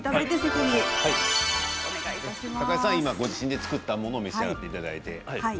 高橋さんはご自身で作ったものを召し上がっていただいて。